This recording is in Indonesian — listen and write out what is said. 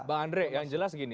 bang andre yang jelas gini